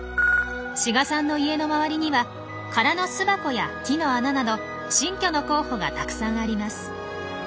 志賀さんの家の周りには空の巣箱や木の穴など新居の候補がたくさんあります。